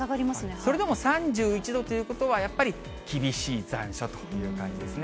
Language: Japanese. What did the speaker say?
それでも３１度ということは、やっぱり厳しい残暑という感じですね。